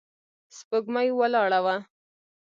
سپوږمۍ ولاړه وه.